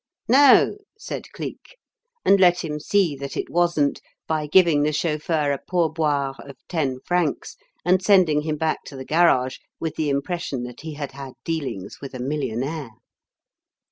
"No," said Cleek and let him see that it wasn't by giving the chauffeur a pourboire of ten francs and sending him back to the garage with the impression that he had had dealings with a millionaire.